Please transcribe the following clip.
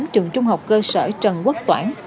trường trung học cơ sở trần quốc toản